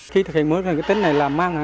khi thực hiện mô hình tính này là